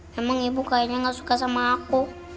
memang ibu kayaknya nggak suka sama aku